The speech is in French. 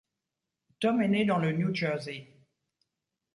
Tom est né dans le New Jersey.